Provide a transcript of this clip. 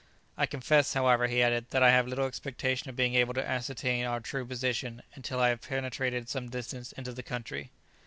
"I confess, however," he added, "that I have little expectation of being able to ascertain our true position, until I have penetrated some distance into the country."